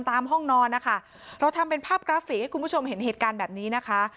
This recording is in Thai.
ตามห้องนอนนะคะเราทำเป็นภาพกราฟิกให้คุณผู้ชมเห็นเหตุการณ์แบบนี้นะคะ